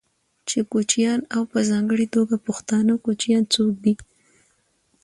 چې کوچيان او په ځانګړې توګه پښتانه کوچيان څوک دي،